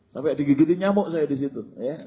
sampai digigitin nyamuk saya disitu